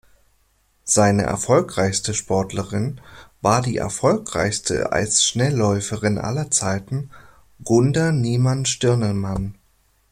Seine erfolgreichste Sportlerin war die erfolgreichste Eisschnellläuferin aller Zeiten Gunda Niemann-Stirnemann.